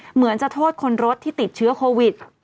เหมือนจะโทษคนรถที่ติดเชื้อโควิด